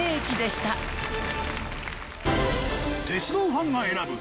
鉄道ファンが選ぶ